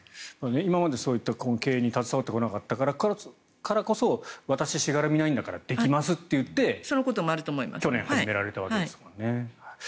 今まで、そういった経営に携わってこなかったからこそ私はしがらみがないからできますと言って去年始められたわけですからね。